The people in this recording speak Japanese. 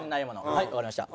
はいわかりました。